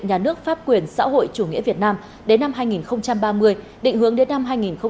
nhà nước pháp quyền xã hội chủ nghĩa việt nam đến năm hai nghìn ba mươi định hướng đến năm hai nghìn bốn mươi